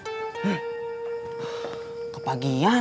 tadi kamu berbicara tentang bulan